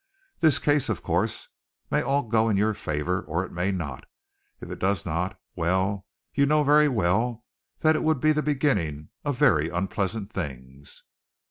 This case, of course, may go all in your favor, or it may not. If it does not, well, you know very well that it would be the beginning of very unpleasant things."